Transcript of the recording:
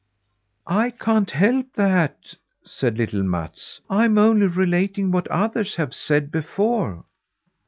"I can't help that," said little Mats. "I'm only relating what others have said before."